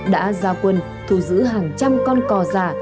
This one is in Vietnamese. đã gia quân thu giữ hàng trăm con cò già